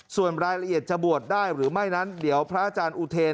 ส่วนรายละเอียดจะบวชได้หรือไม่นั้นเดี๋ยวพระอาจารย์อุเทน